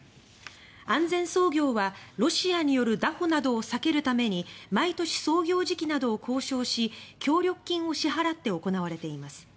安全操業はロシアによる拿捕などを避けるために毎年、操業時期などを交渉し協力金を支払って行われています。